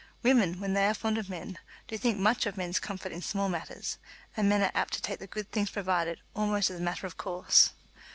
Women, when they are fond of men, do think much of men's comfort in small matters, and men are apt to take the good things provided almost as a matter of course.